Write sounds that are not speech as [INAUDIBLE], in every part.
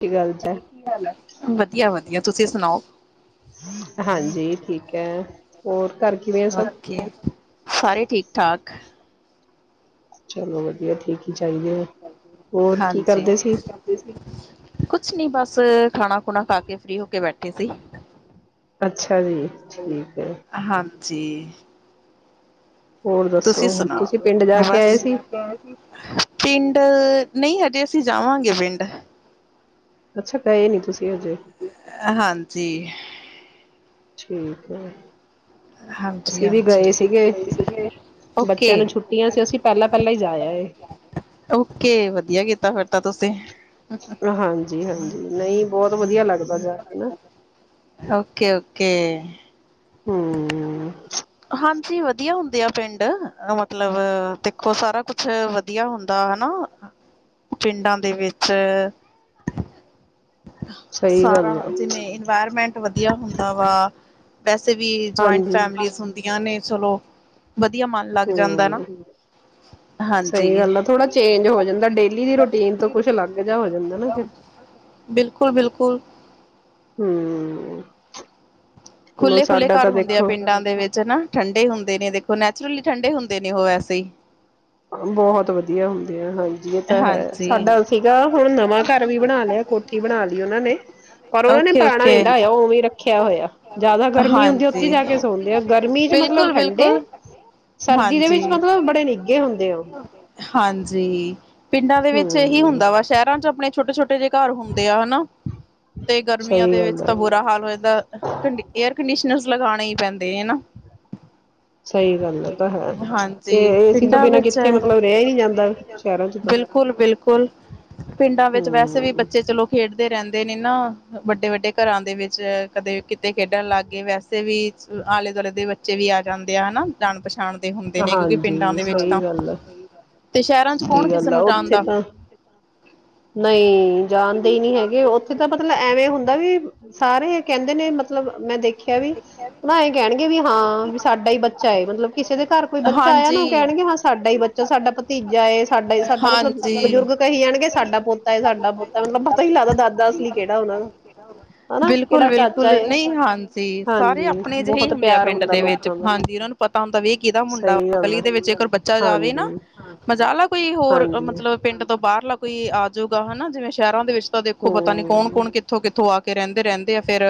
ਕੀ ਗੱਲ ਜ ਕੀ ਹਾਲ ਆ? ਵਧੀਆ। ਵਧ ਯਾ ਤੁਸੀਂ ਸੁਣਾਓ? ਹਾਂਜੀ ਠੀਕ ਹੈ ਹੋਰ ਘਰ ਕਿਵੇਂ ਆ ਸਭ ਹੋਰ ਕੀ, ਸਾਰੇ ਠੀਕ-ਠਾਕ। ਚਲੋ, ਵਧੀਆ ਠੀਕ ਏ। ਹਾਂਜੀ ਸੀ ਕੁਛ ਨੀ ਬਸ ਖਾਣਾ ਖੁਣਾ ਖਾ ਕੇ ਫ੍ਰੀ ਹੋ ਕੇ ਬੈਠੇ ਕਿੰਦੀ ਅੱਛਾ ਜੀ, ਠੀਕ ਹੈ। ਜੀ ਹੋਰ ਤੁਸੀਂ ਦੱਸੋ ਤੁਸੀਂ ਸੁਣਾਓ, ਪਿੰਡ ਜਾ ਕੇ ਬਸ ਆਏ ਸੀ ਪਿੰਡ ਨਹੀਂ ਅ ਅਸੀਂ ਜਾਵਾਂਗੇ ਪਿੰਡ ਅੱਛਾ ਗਏ ਨੀ ਤੁਸੀਂ ਹਜੇ ਹਾਂਜੀ ਠੀਕ ਹੈ। ਹਾਂਜੀ, ਅਸੀਂ ਵੀ ਗਏ ਹਾਂਜੀ। ਸੀਗੇ ਓਕੇ ਬੱਚਿਆਂ ਨੂੰ ਛੁੱਟੀਆਂ ਸੀ ਅਸੀਂ ਪਹਿਲਾਂ ਪਹਿਲਾਂ ਹੀ ਜਾ ਆਏ ਓਕੇ। ਵਧੀਆ ਕੀਤਾ ਤਾਂ ਤੁਸੀਂ? ਹਾਂਜੀ, ਹਾਂਜੀ। ਨਹੀਂ ਬਹੁਤ ਵਧੀਆ ਲੱਗਦਾ ਹੈ। ਓਕੇ ਓਕੇ ਹਮ ਹਾਂਜੀ, ਵਧੀਆ ਹੁੰਦੇ ਆ ਪਿੰਡ। ਮਤਲਬ ਦੇਖੋ, ਸਾਰਾ ਕੁਛ ਵਧੀਆ ਹੁੰਦਾ ਹਨਾ ਪਿੰਡਾਂ ਦੇ ਵਿੱਚ। ਸਹੀ ਸਾਰਾ ਗੱਲ ਆ ਜਿਵੇਂ, ਇਨਵਾਇਰਮੈਂਟ ਵਧੀਆ ਹੁੰਦਾ ਵਾ ਵੈਸੇ ਵੀ ਜੁਆਇੰਟ ਹਾਂਜੀ ਫੈਮਿਲੀ ਨੇ ਸੁਣੋ ਹਮ, ਸਹੀ ਹਾਂਜੀ ਗੱਲ ਆ। ਥੋੜਾ ਚੇਂਜ ਹੋ ਜਾਂਦਾ ਡੇਲੀ ਦੀ ਰੂਟੀਨ ਤੋਂ। ਕੁਛ ਅਲੱਗ ਜਾ ਹੋ ਜਾਂਦਾ ਨਾ, ਫਿਰ ਬਿਲਕੁਲ ਬਿਲਕੁਲ ਹਮ ਹੁਣ ਖੁੱਲੇ-ਖੁੱਲ੍ਹੇ ਸਾਡਾ ਘਰ ਤਾਂ ਹੁੰਦੇ ਆ ਦੇਖੋ ਪਿੰਡਾਂ ਦੇ ਵਿੱਚ, ਹਨਾ? ਠੰਡੇ ਹੁੰਦੇ ਨੇ ਦੇਖੋ, ਨੈਚੁਰਲੀ ਠੰਡੇ ਹੁੰਦੇ ਨੇ, ਉਹ ਵੈਸੇ ਹੀ ਬਹੁਤ ਵਧੀਆ ਹੁੰਦੇ ਆ ਹਾਂਜੀ ਇਹ ਤਾਂ ਹੈ ਹਾਂਜੀ ਸਾਡਾ ਸੀਗਾ ਹੁਣ ਨਵਾਂ ਘਰ ਵੀ ਬਣਾ ਲਿਆ ਕੋਠੀ ਬਣਾ ਲਈ ਉਹਨਾਂ ਨੇ ਔਰ ਉਹਨਾਂ ਨੇ ਓਕੇ ਪੁਰਾਣਾ ਨਹੀਂ ਓਕੇ ਢਾਇਆ ਉਵੇਂ ਹੀ ਰੱਖਿਆ ਹੋਇਆ। ਜਿਆਦਾ ਗਰਮੀ ਹੁੰਦੀ, ਉੱਥੇ ਹਾਂਜੀ ਜਾ ਕੇ ਸੌਂਦੇ ਆ। ਗਰਮੀ ਚ ਮਤਲਬ ਬਿਲਕੁਲ ਠੰਡੇ। ਬਿਲਕੁਲ ਸਰਦੀ ਦੇ ਹਾਂਜੀ ਵਿੱਚ, ਮਤਲਬ ਬੜੇ ਨੀ ਹਾਂਜੀ ਪਿੰਡਾਂ ਦੇ ਵਿੱਚ ਇਹੀ ਹਮ ਹੁੰਦਾ ਵਾ, ਸ਼ਹਿਰਾਂ ਚ ਆਪਣੇ ਛੋਟੇ-ਛੋਟੇ ਛੋਟੇ ਜਿਹੇ ਘਰ ਹੁੰਦੇ ਆ, ਹਨਾ? ਤੇ ਗਰਮੀਆਂ ਸਹੀ ਦੇ ਵਿੱਚ ਗੱਲ ਤਾਂ ਆ ਬੁਰਾ ਹਾਲ ਹੋ ਜਾਂਦਾ ਏਅਰ ਕੰਡੀਸ਼ਨਰ ਲਗਾਉਣੇ ਹੀ ਪੈਂਦੇ ਤੇ ਨਾ, ਸਹੀ ਗੱਲ ਆ ਤਾਂ ਹੈ ਹਾਂਜੀ, ਇਹ ਏਸੀ ਤੋਂ ਪਿੰਡਾਂ ਬਿਨਾਂ ਵਿੱਚ ਕਿੱਥੇ ਮਤਲਬ ਰਿਹਾ ਹੀ ਨਹੀਂ ਜਾਂਦਾ ਸ਼ਹਿਰਾਂ ਚ ਤਾਂ ਬਿਲਕੁਲ-ਬਿਲਕੁਲ। ਪਿੰਡਾਂ ਵਿੱਚ ਵੈਸੇ ਵੀ ਹਮ ਬੱਚੇ ਚਲੋ ਖੇਡਦੇ ਰਹਿੰਦੇ [UNINTELLIGIBLE] ਵੱਡੇ-ਵੱਡੇ ਘਰਾਂ ਦੇ ਵਿੱਚ ਕਦੇ ਕੀ ਤੇ ਖੇਡਣ ਲੱਗ ਗਏ। ਵੈਸੇ ਵੀ ਆਲੇ-ਦੁਆਲੇ ਦੇ ਬੱਚੇ ਵੀ ਆ ਜਾਂਦੇ ਆ, ਨਾ? ਜਾ ਪਛਾਣਦੇ ਹੁੰਦੇ ਨੇ, ਕਿਉਂਕਿ ਪਿੰਡਾਂ ਹਾਂਜੀ ਦੇ ਵਿੱਚ ਸਹੀ ਤਾਂ ਗੱਲ ਆ ਤੇ ਸ਼ਹਿਰਾਂ ਚ ਕੌਣ ਸਹੀ ਕਿਸੇ ਗੱਲ ਆ ਨੂੰ ਉੱਥੇ ਜਾਨਦਾ। ਤਾਂ ਨਹੀਂ ਜਾਣਦੇ ਹੀ ਨਹੀਂ ਹੈਗੇ ਉੱਥੇ ਤਾਂ ਮਤਲਬ ਐਵੇਂ ਹੁੰਦਾ ਵੀ ਸਾਰੇ ਕਹਿੰਦੇ ਨੇ ਮਤਲਬ ਮੈਂ ਦੇਖਿਆ, ਵੀ ਉਹ ਇਹ ਕਹਿਣਗੇ ਵੀ ਹਾਂ ਵੀ ਸਾਡਾ ਈ ਬੱਚਾ ਹਏ ਮਤਲਬ ਕਿਸੇ ਦੇ ਘਰ ਕੋਈ ਬੱਚਾ ਆਇਆ ਨਾ ਉਹ ਹਾਂਜੀ। ਕਹਿਣਗੇ ਹਾਂ ਸਾਡਾ ਈ ਬੱਚਾ ਸਾਡਾ ਭਤੀਜਾ ਏ ਸਾਡਾ ਹੀ ਸਾਡਾ ਮਤਲਬ ਹਾਂਜੀ। ਬਜ਼ੁਰਗ ਕਹੀ ਜਾਣਗੇ ਸਾਡਾ ਪੋਤਾ ਏ, ਸਾਡਾ ਪੋ ਤਾਂ ਮਤਲਬ ਪਤਾ ਨੀ ਲੱਗਦਾ ਦਾਦਾ ਅਸਲੀ ਕਿਹੜਾ ਉਹਨਾਂ ਨੂੰ। ਬਿਲਕੁਲ, ਬਿਲਕੁਲ ਨਹੀਂ ਹਾਂਜੀ ਸਾਰੇ ਹਾਂਜੀ ਆਪਨੇ ਜਿਹੇ ਬਹੁਤ ਹੁੰਦੇ ਆ ਪਿਆਰ ਪਿੰਡ ਹੁੰਦਾ ਦੇ ਵਿੱਚ ਲੋਕਾਂ ਦਾ ਹਾਂਜੀ ਇਹਨਾਂ ਨੂੰ ਪਤਾ ਹੁੰਦਾ ਵੀ ਇਹ ਕਿਹਦਾ ਮੁੰਡਾ ਸਹੀ ਵ ਗੱਲ ਆ ਗਲੀ ਦੇ ਵਿੱਚ ਇੱਕਰ ਬੱਚਾ ਜਾਵੇ ਨਾ ਹਾਂਜੀ ਮਜ਼ਾਲ ਆ ਕੋਈ ਹੋਰ ਹਾਂਜੀ ਮਤਲਬ ਪਿੰਡ ਤੋਂ ਬਾਹਰ ਲ ਕੋਈ ਆਜੂਗਾ ਹੈਨਾ ਜਿਵੇਂ ਸ਼ਹਿਰਾਂ ਦੇ ਵਿੱਚ ਤਾਂ ਦੇਖੋ ਪਤਾ ਨੀ ਕੌਣ, ਹੂੰ ਕੌਣ ਕਿੱਥੋਂ, ਕਿਥ [UNINTELLIGIBLE] ਏ ਰਹਿੰਦੇ, ਰਹਿੰਦੇ ਆ ਫੇਰ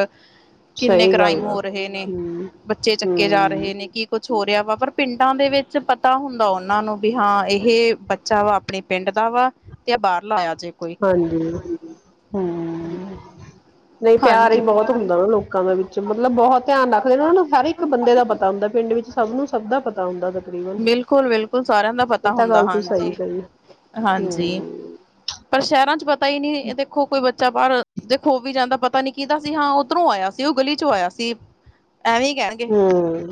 ਕਿੰਨੇ ਸਹੀ ਕ੍ਰਾਈਮ ਗੱਲ ਆ ਹੋ ਰਹੇ ਨੇ, ਹੂੰ ਬੱਚੇ ਚੱਕੇ ਜਾ ਹੂੰ ਰਹੇ ਨੇ, ਕੀ ਕੁੱਛ ਹੋਰਹੇਆ ਵਾ, ਪਰ ਪਿੰਡਾਂ ਦੇ ਵਿੱਚ ਪਤਾ ਹੁੰਦਾ ਉਹਨਾਂ ਨੂੰ ਵੀ ਹਾਂ ਇਹ ਬੱਚਾ ਵਾ ਆਪਣੇ ਪਿੰਡ ਦਾ ਵਾ ਤੇ ਏ ਬਾਹਰ ਲਾ [UNINTELLIGIBLE] ਹਾਂਜੀ, ਹੂੰ ਨਹੀਂ ਪਿਆਰ ਹਾਂਜੀ ਈ ਬਹੁਤ ਹੁੰਦਾ ਨਾ ਲੋਕਾਂ ਦੇ ਵਿੱਚ ਮਤਲਬ ਬਹੁਤ ਧਿਆਨ ਰੱਖਦੇ ਨੇ ਨੂੰ ਹਰ ਇੱਕ ਬੰਦੇ ਦਾ ਪਤਾ ਹੁੰਦਾ ਪਿੰਡ ਵਿੱਚ ਸਭ ਨੂੰ ਸਭ ਦਾ ਪਤਾ ਹੁੰਦਾ ਤਕਰੀਬਨ, ਬਿਲਕੁਲ ਬਿਲਕੁਲ ਸਾਰਿਆਂ ਦਾ ਪਤਾ ਇਹ ਤਾਂ ਹੁੰਦਾ ਗੱਲ ਤੂੰ ਸਹੀ ਹਾਂਜੀ ਕਹੀ, ਹਾਂਜੀ ਹੂੰ। ਪਰ ਸ਼ਹਿਰਾਂ 'ਚ ਪਤਾ ਈ ਨਹੀਂ ਇਹ ਦੇਖੋ ਕੋਈ ਬੱਚ ਬੱਚਾ ਬਾਹਰ, ਦੇਖੋ ਔ ਵੀ ਜਾਂਦਾ ਪਤਾ ਨੀ ਕਿਹਦਾ ਸੀ, ਹਾਂ ਉੱਧਰੋਂ ਆਇਆ ਸੀ, ਉਹ ਗਲੀ ਚੋਂ ਆਇਆ ਸੀ। ਐਵੇਂ ਕਹਿਣਗੇ, ਹਮ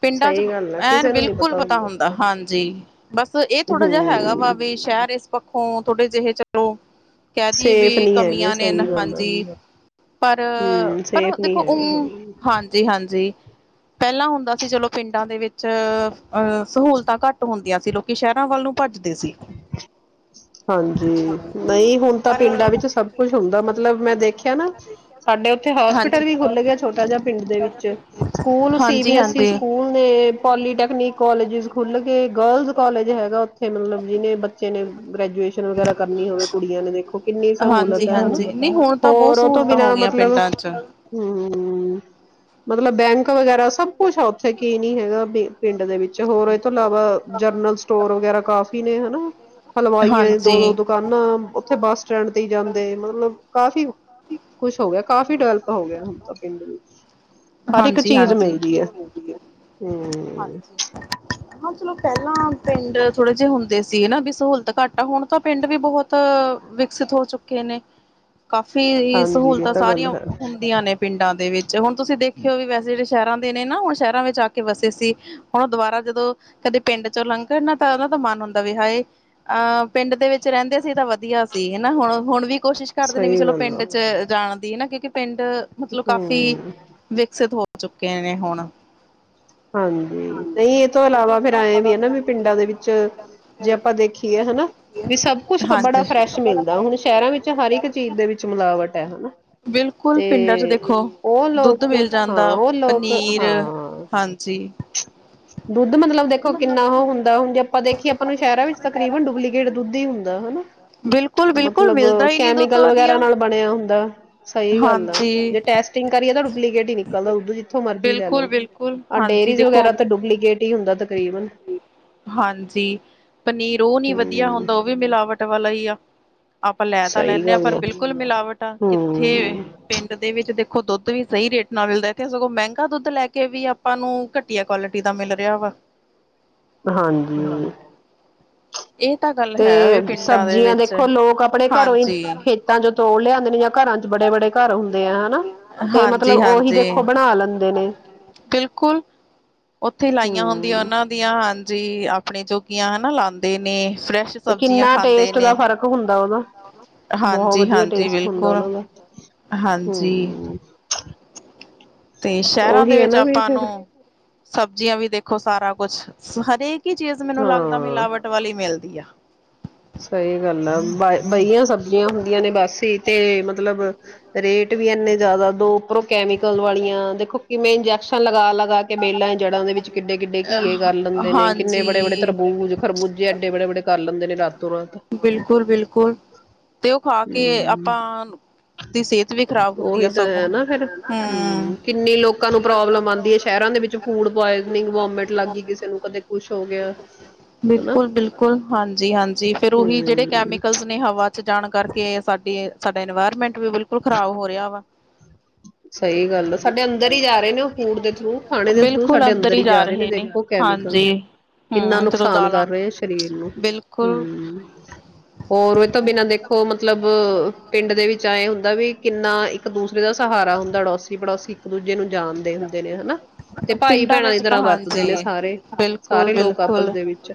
ਪਿੰਡਾਂ ਚ ਸਹੀ ਗੱਲ ਆ ਐਨ ਕਿਸੇ ਨੂੰ ਨਹੀਂ ਬਿਲਕੁਲ ਪਤਾ ਹੁੰਦਾ ਹਾਂਜੀ। ਬਸ ਇਹ ਥੋੜਾ ਜਹਾ ਹੈਗਾ ਵਾ ਹਮ ਵੀ ਸ਼ਹਿਰ ਇਸ ਪੱਖੋਂ ਥੋਡੇ ਜਹੇ ਚਲੋ ਕਹਿ ਦਏ ਸੇਫ ਵੀ ਨਹੀਂ ਹੈਗੇ ਕਮੀਆਂ ਨੇ ਨਾ ਸਹੀ ਗੱਲ ਆ ਹਾਂਜੀ। ਪਰ, ਹਮ ਪਰ ਸੇਫ ਨਹੀਂ ਦੇਖੋ ਹੈਗੇ ੳ ਹਾਂ ਹਾਂਜੀ, ਹਾਂਜੀ। ਜ ਪਹਿਲਾਂ ਹੁੰਦਾ ਸੀ ਚਲੋ ਪਿੰਡਾਂ ਦੇ ਵਿੱਚ, ਅਹ ਸਹੂਲਤਾਂ ਘੱਟ ਹੁੰਦੀਆਂ ਸੀ ਲੋਕੀ ਸ਼ਹਿਰਾਂ ਵੱਲ ਨੂੰ ਭੱਜਦੇ ਸੀ ਹਾਂਜੀ, ਨਹੀਂ ਹੁਨ ਤਾਂ ਪਿੰਡਾਂ ਪਰ ਵਿੱਚ ਸਭ ਕੁਛ ਹੁੰਦਾ ਮਤਲਬ ਮੈਂ ਦੇਖਿਆ ਨਾ ਸਾਡੇ ਉੱਥੇ ਹੋਸਪਿਟਲ ਵੀ ਟੈਕਨੀਕ ਖੁੱਲ ਗਿਆ ਛੋਟਾ ਜਿਹਾ ਪਿੰਡ ਦੇ ਵਿੱਚ, school C B S E school ਨੇ, ਪੋਲੀਟੈਕਨਿਕ ਕਾੱਲਜ ਖੁੱਲ ਗਏ, ਗਰਲਜ਼ ਕੋਾਲਜ ਹੈਗਾ ਉੱਥੇ ਮਤਲਬ ਜਿਹਨੇ ਬੱਚੇ ਨੇ ਗ੍ਰੈਜੂਏਸ਼ਨ ਵਗੈਰਾ ਕਰਨੀ ਹੋਵੇ ਕੁੜੀਆਂ ਨੇ ਦੇਖੋ ਕਿੰਨੀ ਸਹੂਲਤ ਹਾਂਜੀ ਹੈ ਨਾ। ਹਾਂਜੀ ਨਹੀਂ ਹੁਣ ਤਾਂ ਬਹੁਤ ਹੋਰ ਤੋਂ ਸਹੂਲਤਾਂ ਹੋ ਬਿਨਾਂ ਗਈਆਂ ਮਤਲਬ ਪਿੰਡਾਂ 'ਚ ਹੂੰ [UNINTELLIGIBLE] ਮਤਲਬ ਬੈਂਕ। ਵਗੈਰਾ ਸਭ ਕੁਛ ਆ ਉੱਥੇ ਕੀ ਨੀ ਹੈਗਾ ਪਿੰਡ ਦੇ ਵਿੱਚ? ਹੋਰ ਇਹ ਤੋਂ ਇਲਾਵਾ ਜਰਨਰਲ ਸਟੋਰ ਵਗੈਰਾ ਕਾਫੀ ਹਲਵਾਈਆਂ ਦੀ ਦੋ-ਦੋ ਹਾਂਜੀ ਦੁਕਾਨਾਂ ਉੱਥੇ ਬੱਸ ਸਟੈਂਡ ਤੇ ਹੀ ਜਾਂਦੇ ਮਤਲਬ ਕਾਫੀ ਕੁਛ ਕਾਫੀ ਡਿਵਲਪ ਹੋ ਗਿਆ ਹੁਣ ਤਾਂ ਪਿੰਡ ਵਿੱਚ, ਹਰ ਇੱਕ ਹਾਂਜੀ ਚੀਜ਼ ਹਾਂਜੀ ਮਿਲਦੀ ਹੈ। ਹਮ। ਹਾਂਜੀ [UNINTELLIGIBLE] ਹਾਂ ਚਲੋ ਪਹਿਲਾਂ ਪਿੰਡ ਥੋੜੇ ਜੇ ਹੁੰਦੇ ਸੀ ਨਾ ਬੀ ਸਹੂਲਤ ਘੱਟ ਆ ਹੁਣ ਤਾਂ ਪਿੰਡ ਵੀ ਬਹੁਤ ਵਿਕਸਿਤ ਹੋ ਚੁੱਕੇ ਨੇ। ਕਾਫੀ ਹਾਂਜੀ ਇਹ ਸਹੂਲਤਾਂ ਤਾਂ ਗੱਲ ਸਾਰੀਆਂ ਹੈ ਹੁੰਦੀਆਂ ਨੇ। ਪਿੰਡਾਂ ਦੇ ਵਿੱ ਜੇ ਹੁਣ ਤੁਸੀਂ ਦੇਖਓ ਵੀ ਵੈਸੇ [UNINTELLIGIBLE] ਸ਼ਹਿਰਾਂ ਦੇ ਨੇ ਨਾ ਹੁਣ ਸ਼ਹਿਰਾਂ ਵਿੱਚ ਆ ਕੇ ਵਸੇ ਸੀ। ਹੁਣ ਦੁਬਾਰਾ ਜਦੋਂ ਕਦੇ ਪਿੰਡ ਚੋਂ ਲੰਘਣ ਨਾ ਤਾਂ ਉਹਨਾਂ ਦਾ ਮਨ ਹੁੰਦਾ ਵੀ ਹਾਏ ਪਿੰਡ ਦੇ ਵਿੱਚ ਰਹਿੰਦੇ ਸੀ ਤਾਂ ਵ ਵਧੀਆ ਸੀ ਹਨਾ ਹੁਣ-ਹੁਣ ਵੀ ਕੋਸ਼ਿਸ਼ ਕਰਦੇ ਨੇ ਵੀ ਸਹੀ ਚਲੋ ਗੱਲ ਆ ਪਿੰਡ ਚ ਜਾਣ ਦੀਨਾ ਕਿਉਂਕਿ [UNINTELLIGIBLE] ਮਤਲਬ ਕਾਫੀ ਹੂੰ ਵਿਕਸਿਤ ਹੋ ਚੁੱਕੇ ਨੇ ਹੁਣ। ਹਾਂਜੀ ਨਹੀਂ ਇਹ ਤੋਂ ਇਲਾਵਾ ਫੇਰ ਐਂ ਵੀ ਹੈ ਨਾ ਵੀ ਪਿੰਡਾਂ ਦੇ ਵਿੱਚ ਜੇ ਆਪਾਂ ਦੇਖੀਏ ਹਨਾ ਵੀ ਸਭ ਕੁਛ ਤਾਂ ਬੜਾ ਹਾਂਜੀ ਫਰੈਸ਼ ਮਿਲਦਾ ਹੁਣ ਸ਼ਹਿਰਾਂ ਵਿੱਚ ਹਰ ਇੱਕ ਚੀਜ਼ ਦੇ ਵਿੱਚ ਮਿਲਾਵਟ ਹੈ ਬਿਲਕੁਲ ਤੇ ਪਿੰਡਾਂ ਚ ਦੇਖੋ ਉਹ ਦੁੱਧ ਲੋਕ ਮਿਲ ਹਾਂ ਜਾਂਦਾ ਉਹ ਲੋਕ ਪਨੀਰ ਹਾਂ। ਹਾਂਜੀ। ਦੁੱਧ ਮਤਲਬ ਦੇਖੋ ਕਿੰਨਾ ਉਹ ਹੁੰਦਾ ਹੁਣ ਜੇ ਆਪਾਂ ਦੇਖੀਏ ਆਪਾਂ ਨੂੰ ਸ਼ਹਿਰਾਂ ਵਿੱਚ ਤਕਰੀਬਨ ਡੁਪਲੀਕੇਟ ਦੁੱਧ ਹੀ ਹੁੰਦਾ ਹਨਾ। ਬਿਲਕੁਲ-ਬਿਲਕੁਲ ਮਤਲਬ ਮਿਲਦਾ ਹੀ ਨਹੀਂ ਦੁੱਧ ਕੈਮੀਕਲ ਵਧੀਆ ਵਗੈਰਾ ਨਾਲ ਬਣਿਆ ਹੁੰਦਾ ਸਹੀ ਗੱਲ ਆ। ਹਾਂਜੀ ਜੇ ਟੈਸਟਿੰਗ ਕਰੀਏ ਤਾਂ ਡੁਪਲੀਕੇਟ ਹੀ ਨਿਕਲਦਾ ਉਦੋਂ ਜਿੱਥੋਂ ਮਰਜ਼ੀ ਲੈ ਲੋ। ਬਿਲਕੁਲ-ਬਿਲਕੁਲ ਆ ਹਾਂਜੀ ਡੇਅਰੀਜ਼ ਦੇਖੋ ਵਗੈਰਾ ਤਾਂ ਡੁਪਲੀਕੇਟ ਹੀ ਹੁੰਦਾ ਤਕਰੀਬਨ ਹਾਂਜੀ ਪਨੀਰ ਉਹ ਨਹੀ ਵਧੀਆ ਹਮ ਹੁੰਦਾ ਉਹ ਵੀ ਮਿਲਾਵਟ ਵੱਟ ਵਾਲਾ ਹੀ ਆ। ਆਪਾਂ ਲੈ ਤਾਂ ਸਹੀ ਲੈਂਣੇ ਹਾਂ ਗੱਲ ਪਰ ਹੈ ਬਿਲਕੁਲ ਮਿਲਾਵਟ ਆ ਕਿੱਥੇ ਹਮ ਪਿੰਡ ਦੇ ਵਿੱਚ ਦੇ ਖੁਦ ਦੁੱਧ ਵੀ ਸਹੀ ਰੇਟ ਨਾਲ ਮਿਲਦਾ ਇੱਥੇ ਸਗੋਂ ਮਹਿੰਗਾ ਦੁੱਧ ਲੈ ਕੇ ਵੀ ਆਪਾਂ ਨੂੰ ਘਟੀਆ ਕੁਆਲਿਟੀ ਦਾ ਮਿਲ ਰਿਹਾ ਵਾ। ਹਾਂਜੀ। ਇਹ ਤਾਂ ਗੱਲ ਤੇ ਹੈ ਵੇ। ਸਬਜ਼ੀਆਂ ਦੇਖੋ ਲੋਕ ਆਪਣੇ ਘਰੋਂ ਹੀ ਖੇਤਾਂ ਚ ਤੋੜ ਲਿਆਦੇ ਨੇ ਜਾਂ ਘਰਾਂ ਚ ਬੜੇ ਬੜੇ ਘਰ ਹੁੰਦੇ ਆ ਹਨਾ ਤੇ ਮਤਲਬ ਉਹੀ ਹਾਂਜੀ-ਹਾਂਜੀ ਦੇਖੋ ਬਣਾ ਲੈਂਦੇ ਨੇ ਬਿਲਕੁਲ ਉੱਥੇ ਲਾਈਆਂ ਹੁੰਦੀਆਂ ਹਮ। ਉਹਨਾਂ ਦੀਆਂ ਹਾਂਜੀ ਆਪਣੇ ਜੋਗੀਆਂ ਹਨਾ ਲਾਂਦੇ ਨੇ। ਫਰੈਸ਼ ਤੇ ਸਬਜ਼ੀਆਂ। ਕਿੰਨਾ ਖਾਂਦੇ ਟੇਸਟ ਦਾ ਨੇ ਫ਼ਰਕ ਹੁੰਦਾ ਉਹਦਾ, ਬਹੁਤ ਹਾਂਜੀ ਵਧੀਆ ਹਾਂਜੀ ਟੇਸਟ ਹੁੰਦਾ ਬਿਲਕੁਲ ਉਹਨਾ ਦਾ, ਹਾਂਜੀ ਹਮ। ਤੇ ਸ਼ਹਿਰਾਂ ਦੇ ਉਹੀ ਹੈ ਵਿੱਚ ਨਾ ਵੀ ਆਪਾਂ ਫਿਰ ਨੂੰ ਸਬਜ਼ੀਆਂ ਵੀ ਦੇਖੋ ਸਾਰਾ ਕੁਛ ਹਰੇਕ, ਇੱਕ ਹੀ ਚੀਜ਼ ਮੈਨੂੰ ਲੱਗਦਾ, ਹਾਂ ਮਿਲਾਵਟ ਵਾਲੀ ਮਿਲਦੀ ਆ। ਸਹੀ ਗੱਲ ਆ ਵਹੀਆ ਸਬਜ਼ੀਆਂ ਹੁੰਦੀਆਂ ਨੇ ਬਸ ਹੀ ਤੇ ਮਤਲਬ ਰੇਟ ਵੀ ਇੰਨੇ ਜ਼ਿਆਦਾ ਦੋ ਉਪਰੋ ਕੈਮੀਕਲ ਵਾਲੀਆਂ ਦੇਖੋ ਕਿਵੇਂ ਲਗਾ ਲਾ, ਕੇ ਬੇਲਾਂ ਹੀ ਜੜ੍ਹਾਂ ਦੇ ਵਿੱਚ ਕਿੱਡੇ ਕਿੱਡੇ ਘੀਏ ਕਰ ਲੈਂਦੇ ਨੇ ਕਿੰਨੇ ਬੜੇ-ਬੜੇ ਹਾਂਜੀ ਤਰਬੂਜ, ਖਰਬੂਜੇ ਐਡੇ ਬੜੇ'ਬੜੇ ਕਰ ਲੈਂਦੇ ਨੇ ਰਾਤ ਬਿਲਕੁਲ-ਬਿਲਕੁਲ ਤੇ ਉਹ ਖਾ ਕੇ ਹਮ ਆਪਾਂ ਦੀ ਸਿਹਤ ਵੀ ਖਰਾਬ ਹੁੰਦੀ ਐ, ਉਹੀ ਤਾਂ ਸਗੋਂ ਹੈ ਨਾ ਫੇਰ ਹਮ ਕਿੰਨੀ ਲੋਕਾਂ ਨੂੰ ਪ੍ਰੋਬਲਮ ਆਉਂਦੀ ਹੈ ਸ਼ਹਿਰਾਂ ਦੇ ਵਿੱਚ ਫੂਡ ਪੁਆਇਜ਼ਨਿੰਗ ਵੋਮਿਟ ਲੱਗ ਗਈ ਕਿਸੇ ਨੂੰ ਕਦੇ ਕੁਛ ਹੋ ਗਿਆ ਹਨਾ ਬਿਲਕੁਲ-ਬਿਲਕੁਲ ਹਾਂਜੀ-ਹਾਂਜੀ। ਫੇਰ ਉਹੀ ਜਿਹੜੇ ਹਮ ਕੈਮੀਕਲ ਨੇ ਹਵਾ ਜਾਣ ਕਰਕੇ ਸਾਡੀ ਸਾਡਾ ਇਨਵਾਇਰਮੈਂਟ ਵੀ ਬਿਲਕੁਲ ਖ਼ਰਾਬ ਹੋ ਰਿਹਾ ਵਾ। ਸਹੀ ਗੱਲ ਆ ਸਾਡੇ ਅੰਦਰ ਹੀ ਜਾ ਰਹੇ ਨੇ ਉਹ ਫੂਡ ਦੇ ਥਰੂ ਖਾਣੇ ਦੇ ਥਰੂ ਸਾਡੇ ਅੰਦਰ ਹੀ ਜਾ ਰਹੇ ਨੇ ਦੇਖੋ ਕੈਮੀਕਲ, ਕਿੰਨਾ ਹੂੰ ਜਦੋਂ ਨੁਕਸਾਨ ਦਾਲਾਂ ਕਰ ਰਹੇ ਆ ਸਰੀਰ ਨੂੰ ਬਿਲਕੁਲ ਹੂੰ। ਹੋਰ ਇਹ ਤੋਂ ਬਿਨਾਂ ਦੇਖੋ ਮਤਲਬ ਪਿੰਡ ਦੇ ਵਿੱਚ ਏ ਹੁੰ ਵੀ ਕਿੰਨਾ ਇੱਕ ਦੂਸਰੇ ਦੂਰੇ ਦਾ ਸਹਾਰਾ ਹੁੰਦਾ ਅੜੋਸੀ-ਪੜੋਸੀ ਇੱਕ ਦੂਜੇ ਨੂੰ ਜਾਣਦੇ ਹੁੰਦੇ ਨੇ ਹਨਾ, ਤੇ ਭਾਈ ਪਿੰਡਾਂ ਭੈਣਾਂ ਦੀ ਵਿੱਚ ਤਾਂ ਤਰ੍ਹਾਂ ਵਰਤਦੇ ਨੇ ਹਾਂਜੀ ਸਾਰੇ-ਸਾਰੇ ਲੋਕ ਆਪਸ ਬਿਲਕੁਲ-ਬਿਲਕੁਲ ਦੇ ਵਿੱਚ,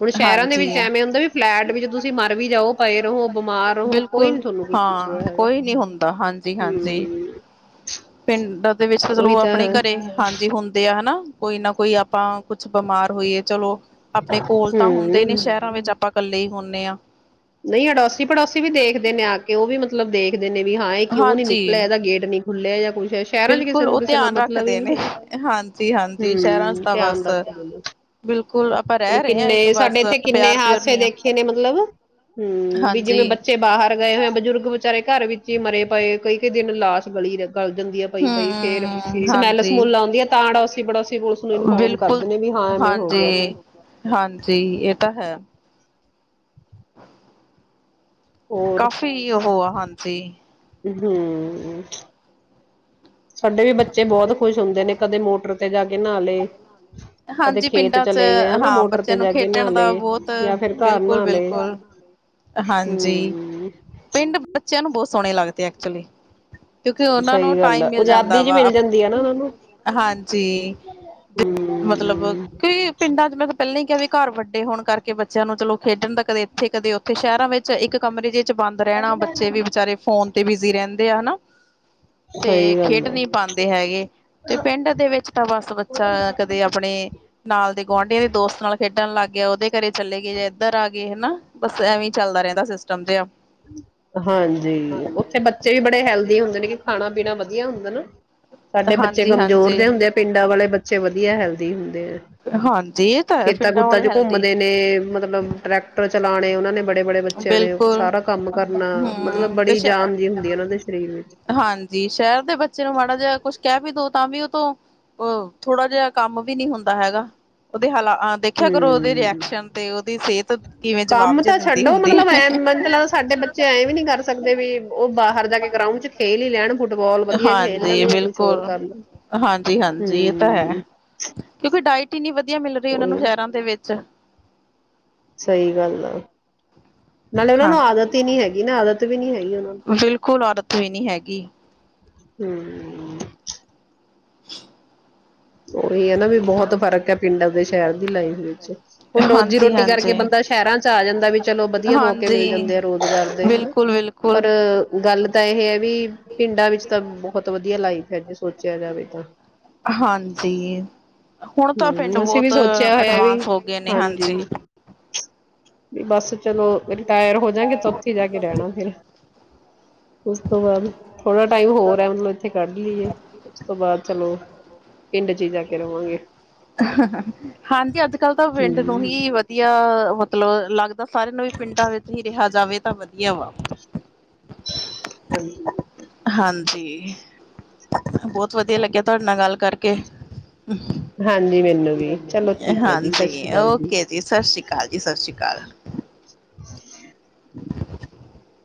ਹੁਣ ਸ਼ਹਿਰਾਂ ਦੇ ਵਿੱਚ ਹਾਂਜੀ ਐਵੇਂ ਹੁੰਦਾ ਵੀ ਫਲੈਟ ਵਿੱਚ ਤੁਸੀਂ ਮਰ ਵੀ ਜਾਓ। ਪਏ ਰਹੋ। ਬਿਮਾਰ ਹੋ ਕੋਈ ਬਿਲਕੁਲ ਨੀ ਤੁਹਾਨੂੰ ਕੁੱਛ ਪੁੱਛਦਾ ਹਾਂ ਹੈਗਾ। ਕੋਈ ਨੀ ਹੁੰਦਾ ਹਾਂਜੀ-ਹਾਂਜੀ ਹਮ ਪਿੰਡ, ਦੇ ਵਿੱਚ ਉਹੀ ਚਲੋ ਤਾਂ ਆਪਣੇ ਹੈ ਘਰੇ ਹਾਂਜੀ ਹੁੰਦੇ ਆ ਹਨਾ। ਕੋਈ ਨਾ ਕੋਈ ਆਪਾਂ ਕੁਛ ਬਿਮਾਰ ਹੋਈਏ ਚਲੋ। ਆਪਣੇ ਕੋਲ ਤਾਂ ਹੁੰਦੇ ਨੇ ਹੂੰ, ਸ਼ਹਿਰਾਂ ਵਿੱਚ ਆਪਾਂ ਇਕੱਲੇ ਹੀ ਹੁਨੇ ਹਾਂ, ਨਹੀਂ ਅੜੋਸੀ ਪੜੋਸੀ ਵੀ ਦੇਖਦੇ ਨੇ ਆ ਕੇ ਉਹ ਵੀ ਮਤਲਬ [UNINTELLIGIBLE] ਨੇ ਵੀ ਹਾਂ ਇਹ ਕਿਉਂ ਨੀ ਹਾਂਜੀ ਨਿਕਲਿਆ ਇਹਦਾ ਗੇਟ ਨੀ ਖੁੱਲ੍ਹਿਆ ਖੁੱਲੇ ਜਾਂ ਕੋਈ-' ਬਿਲਕੁਲ ਉਹ ਧਿਆਨ ਰੱਖਦੇ ਨੇ ਹਾਂਜੀ-ਹਾਂਜੀ ਸ਼ਹਿਰਾਂ ਚ ਹੂੰ, ਦਾ ਧਿਆਨ ਬਸ ਰੱਖਦੇ ਨੇ, ਬਿਲਕੁਲ ਆਪਾਂ ਹੁਣ ਰਹਿ ਰਹੇ ਹਾਂ ਕਿੰਨੇ ਇੱਕ ਸਾਡੇ ਬਸ ਇੱਥੇ ਕਿੰਨੇ ਪਿਆਰ ਪਿਯੂਰ ਹਾਦਸੇ ਨਹੀਂ ਆ ਦੇਖੇ ਨੇ ਮਤਲਬ ਹੂੰ, ਵੀ ਜਿਵੇਂ, ਹਾਂਜੀ ਬੱਚੇ ਬਾਹਰ ਗਏ ਹੋਏ ਆ ਬਜ਼ੁਰਗ ਵਿਚਾਰੇ ਘਰ ਵਿੱਚ ਹੀ ਮਰੇ ਪਏ, ਕਈ-ਕਈ ਦਿਨ ਲਾਸ਼ ਗਲੀ ਰਹਿੰਦੀ ਗਲ ਜਾਂਦੀ ਹੈ, ਪਈ ਪਈ ਫੇਰ ਹਮ ਸਮੈਲ ਸਮੂਲ ਆਦੀ ਆ ਤਾਂ ਹਾਂਜੀ ਅੜੋਸੀ ਪੜੋਸੀ ਪੁਲਿਸ ਨੂੰ ਇਨਫੋਰਮ ਕਰ ਬਿਲਕੁਲ ਦੇਣੇ ਵੀ ਹਾਂ ਐਵੇਂ ਹੋ ਗਿਆ ਹਾਂਜੀ ਇੱਥੇ ਹਾਂਜੀ ਇਹ ਤਾਂ ਹੈ ਹੋਰ, ਕਾਫੀ ਓਹੋ ਆ ਹਾਂਜੀ। ਹਾਂ ਸਾਡੇ ਵੀ ਬੱਚੇ ਬਹੁਤ ਖੁਸ਼ ਹੁੰਦੇ ਨੇ ਕਦੇ ਮੋਟਰ ਤੇ ਜਾ ਕੇ ਨਾ ਲੇ, ਕਦੇ ਹਾਂਜੀ ਖੇਤ ਪਿੰਡਾਂ ਚ ਚਲੇ ਗਏ, ਹੇਨਾ ਹਾਂ ਮੋਟਰ ਤੇ ਬੱਚਿਆਂ ਨੂੰ ਜਾ ਕੇ ਨਾ ਖੇਡਣ ਲੇ ਦਾ ਬਹੁਤ ਜਾਂ ਫਿਰ ਘਰ ਬਿਲਕੁਲ ਨਾ ਲੇ ਬਿਲਕੁਲ ਹਾਂਜੀ ਹੁੰ। ਸੋਣੇ ਲੱਗਦੇ ਏ ਐਕਚੁਲੀ। ਕਿਉਂਕਿ ਉਹਨਾ ਨੂੰ ਸਹੀ ਗੱਲ ਟਾਈਮ ਹੈ ਮਿਲ ਜਾਂਦਾ। ਆਜ਼ਾਦੀ ਜੀ ਵਾ ਮਿਲ ਜਾਂਦੀ ਹੈ ਨਾ ਉਹਨਾਂ ਨੂੰ ਹਾਂਜੀ, ਮਤਲਬ ਹਮ ਕਈ ਪਿੰਡਾਂ ਚ ਨਾ ਘਰ ਵੱਡੇ ਹੋਣ ਕਰਕੇ ਬੱਚਿਆਂ ਨੂੰ ਚਲੋ ਖੇਡਣ ਦਾ ਕਦੇ ਇੱਥੇ ਕਦੇ ਉੱਥੇ ਸ਼ਹਿਰਾਂ ਵਿੱਚ ਇੱਕ ਕਮਰੇ ਇੱਕ ਕਮਰੇ ਵਿੱਚ ਬੰਦ ਰਹਿਣ, ਬੱਚੇ ਵੀ ਵਿਚਾਰੇ ਫੋਨ ਤੇ ਬਿਜੀ ਰਹਿੰਦੇ ਆ ਨਾ। ਸਹੀ ਗੱਲ। ਹੈ ਨਹੀ ਪਾਂਦੇ ਹੈਗੇ, ਤੇ ਪਿੰਡ ਦੇ ਵਿੱਚ ਤਾਂ ਬਸ ਬੱਚਾ ਕਦੇ ਆਪਣੇ ਨਾਲ ਦੇ ਗੁਆਂਢੀਆਂ ਦੇ ਦੋਸਤ ਨਾਲ ਖੇਡਣ ਲੱਗ ਕਦੇ ਉਹਦੇ ਘਰੇ ਚਲੇ ਗਏ ਜਾਂ ਇੱਧਰ ਆ ਗਏ ਹੇਨਾ ਬਸ ਐਵੇਂ ਚੱਲਦਾ ਰੇਂਦਾ ਸਿਸਟਮ ਤੇ ਆ ਹਾਂਜੀ, ਉਥੇ ਬੱਚੇ ਵੀ ਬੜੇ ਹੈਲਦੀ ਹੁੰਦੇ ਨੇ ਕਿ ਖਾਣਾ-ਪੀਣਾ ਵਧੀਆ ਹੁੰਦਾ ਨਾ ਸਾਡੇ ਬੱਚੇ ਹਾਂਜੀ ਕਮਜ਼ੋਰ ਹਾਂਜੀ ਦੇ ਹੁੰਦੇ ਆ ਪਿੰਡਾਂ ਵਾਲੇ ਬੱਚੇ ਤੇ ਵਧੀਆ ਹੈਲਦੀ ਹੁੰਦੀ ਹਾਂਜੀ ਇਹ ਤਾਂ ਹੈ ਖੇਤਾਂ ਪਿੰਡਾਂ ਖੁਤਾਂ ਵਾਲੇ ਚ ਹੈਲਦੀ ਘੁੰਮਦੇ ਨੇ ਮਤਲਬ ਟਰੈਕਟਰ ਚਲਾਣੇ ਔਨਾ ਨੇ ਬੜੇ-ਬੜੇ ਬੱਚਿਆਂ ਨੇ। ਸਾਰਾ ਕੰਮ ਕਰਨਾ ਮਤਲਬ ਹੁੰ, ਤੇ ਬੜੀ ਸੇ ਜਾਨ ਜੀ ਹੁੰਦੀ ਹੈ ਉਹਨਾਂ ਦੇ ਸਰੀਰ ਵਿੱਚ ਹਾਂਜੀ ਸ਼ਹਿਰ ਦੇ ਬੱਚੇ ਨੂੰ ਮਾੜਾ ਜਿਹਾ ਕੁਛ ਕਹਿ ਵੀ ਦੋ ਤਾਂ ਵੀ ਔ ਤੋਂ ਅ ਥੋੜਾ ਜਿਯਾ ਕੰਮ ਵੀ ਨਹੀਂ ਹੁੰਦਾ ਦਾ ਹੈਗਾ ਉਹਦੇ ਹਾਲਾਤ ਹੁੰ, ਸਿਹਤ ਕਿਵੇਂ ਜਵਾਬ ਕੰਮ ਜਿਹਾ ਤਾਂ ਦਿੰਦੀ ਛੱਡੋ ਹੁੰਦੀ ਮਤਲਬ ਹੈ। ਐ ਮੰਨ ਚ ਲ ਸਾਡੇ ਬੱਚੇ ਐਂ ਵੀ ਨੀ ਕਰ ਸਕਦੇ ਵੀ ਔ ਬਾਹਰ ਜਾ ਕੇ ਗਰਾਊਂਡ ਚ ਖੇਲ ਹੀ ਲੈਣ ਫੁ ਹਾਂਜੀ ਬਿਲਕੁਲ, ਲੈਣ ਹਾਂਜੀ ਹਾਂਜੀ ਇਹ ਤਾਂ ਏ ਹਮ ਕਿਉਂਕਿ ਡਾਇਟ ਕਿੰਨੀ ਵਧੀਆ ਵਧੀਆ ਮਿਲ ਰਹੀ ਏ ਉਹਨਾਂ ਉਹੀ ਨੂੰ ਸ਼ਹਿਰਾਂ ਦੇ ਵਿੱਚ। ਸਹੀ ਗੱਲ ਆ। ਨਾਲੇ ਉਹਨਾਂ ਨੂੰ ਹਾਂਜੀ ਆਦਤ ਈ ਨੀ ਹੈਗੀ ਨਾ, ਆਦਤ ਵੀ ਨੀ ਹੈਗੀ। ਉਹਨਾਂ ਨੂੰ ਬਿਲਕੁਲ ਆਦਤ ਵੀ ਨਹੀ ਹੈਗੀ। ਹੁੰ। [UNINTELLIGIBLE] ਔਈ ਏ ਨਾ ਵੀ ਬਹੁਤ ਫ਼ਰਕ ਹੈ ਪਿੰਡਾਂ ਦੇ ਸ਼ਹਿਰ ਦੀ ਲਾਈਫ ਵਿੱਚ। ਹੁਣ ਹਾਂਜੀ ਰੋਜੀ-ਰੋਟੀ ਕਰਕੇ ਹਾਂਜੀ ਬੰਦਾ ਸ਼ਹਿਰਾਂ ਚ ਆ ਜਾਂਦਾ ਵੀ ਚਲੋ ਵਧੀਆ ਮੌਕੇ ਮਿਲ ਹਾਂਜੀ ਜਾਂਦੇ ਆ ਰੁਜ਼ਗਾਰ ਦੇ ਹੇਨਾ ਬਿਲਕੁਲ ਪਰ ਬਿਲਕੁਲ ਗੱਲ ਤਾਂ ਇਹ ਹੈ ਵੀ ਪਿੰਡਾਂ ਵਿੱਚ ਤਾਂ ਬਹੁਤ ਵਧੀਆ ਲਾਈਫ ਫਿਰ ਤਾਂ ਸੋਚੋ ਸ਼ਹਿਰ ਆਵੇਗਾ। ਹਾਂਜੀ, ਹੁਣ ਤਾਂ ਪਿੰਡ ਹਮ ਅਸੀਂ ਵੀ ਬਹੁਤ ਸੋਚਿਆ ਹੋਇਆ ਵੀ ਅਡਵਾਂਸ ਹੋ ਗਏ ਨੇ ਹਾਂਜੀ। ਵੀ ਬਸ ਚਲੋ ਰਿਟਾਇਰ ਹੋ ਜਾਗੇ ਤਾਂ ਉੱਥੇ ਜਾ ਕੇ ਰਹਿਣਾ ਫਿਰ ਉਸ ਤੋਂ ਬਾਅਦ ਥੋੜਾ ਟਾਈਮ ਹੋਰ ਹੈ, ਮਤਲਬ ਇੱਥੇ ਕੱਢ ਲਈਏ ਉਸ ਤੋਂ ਬਾਅਦ ਚਲੋ ਪਿੰਡ ਚ ਹੀ ਜਾ ਕੇ ਰਵਾਂਗੇ। ਹਾਂਜੀ ਅੱਜ ਕੱਲ੍ਹ ਤਾਂ ਪਿੰਡ ਨੂੰ ਹਮ ਹੀ ਵਧੀਆ। ਮਤਲਬ ਲੱਗਦਾ ਸਾਰਿਆਂ ਨੂੰ ਵੀ ਪਿੰਡਾਂ ਵਿੱਚ ਹੀ ਰਿਹਾ ਜਾਵੇ ਤਾਂ ਵਧੀਆ ਵਾ। [INAUDIBLE] ਹਾਂਜੀ। ਬਹੁਤ ਵਧੀਆ ਲੱਗਿਆ ਤੁਹਾਡੇ ਨਾਲ ਗੱਲ ਕਰਕੇ ਹਾਂਜੀ ਮੈਨੂੰ ਵੀ ਚਲੋ ਠੀਕ ਹੈ ਜੀ ਸਤਿ ਹਾਂਜੀ, ਸ਼੍ਰੀ ਅਕਾਲ ਓਕੇ ਜੀ ਸਤਿ ਸ਼੍ਰੀ ਅਕਾਲ ਜੀ, ਸਤਿ ਸ਼੍ਰੀ ਅਕਾਲ। [UNINTELLIGIBLE] [INAUDIBLE]